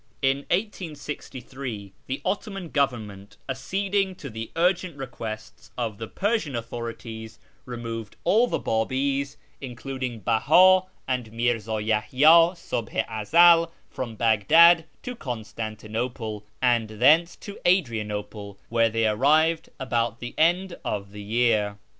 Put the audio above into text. In 1863 the Ottoman Government, acceding to the urgent requests of the Persian authorities, removed all the Babis, including Behii and Mi'rzd Yahya, " Subh i Uzel," from Baghdad to Constantinople, and thence to Adrianople, where they arrived about the end of the' year.